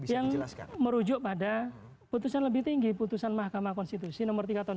yang merujuk pada putusan lebih tinggi putusan mahkamah konstitusi nomor tiga tahun dua ribu